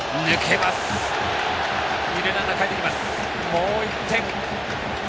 もう１点。